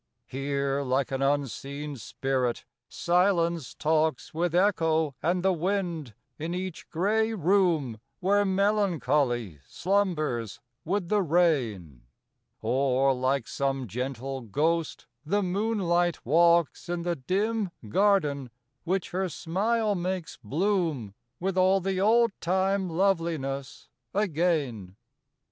Here, like an unseen spirit, silence talks With echo and the wind in each gray room Where melancholy slumbers with the rain: Or, like some gentle ghost, the moonlight walks In the dim garden, which her smile makes bloom With all the old time loveliness again.